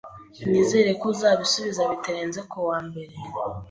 Nizere ko uzabisubiza bitarenze kuwa mbere